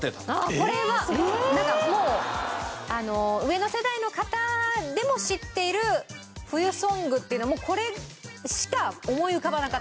これはなんかもう上の世代の方でも知ってる冬ソングっていうのもうこれしか思い浮かばなかったくらい。